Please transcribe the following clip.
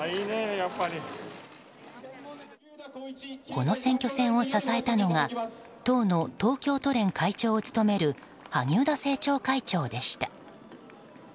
この選挙戦を支えたのが党の東京都連会長を務める萩生田政調会長でした。